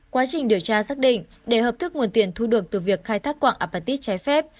quá trình điều tra xác định để hợp thức nguồn tiền thu được từ việc khai thác quạng apatit trái phép